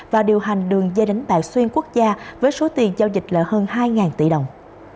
và điều hành đường dây đánh tài xuyên quốc gia với số tiền giao dịch là hơn hai tỷ đồng